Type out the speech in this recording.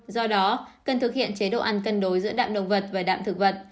do đó cần thực hiện chế độ ăn cân đối giữa đạm động vật và đạm thực vật